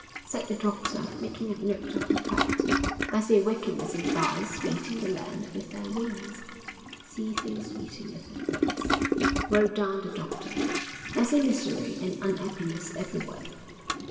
said the doctor, making a note of the fact. 'I see Wickedness and Vice beating the land with their wings.' 'Sees things beating with their wings,' wrote down the doctor. 'I see misery and un'appiness everywhere.'